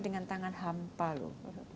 dengan tangan hampa lho